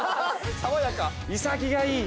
爽やか。